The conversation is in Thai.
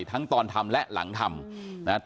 อันนี้มันต้องมีเครื่องชีพในกรณีที่มันเกิดเหตุวิกฤตจริงเนี่ย